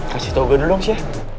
kasih tau gua dulu dong sih ya